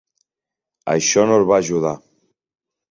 Això no el va ajudar.